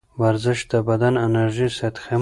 ورزش د بدن انرژي ساتي.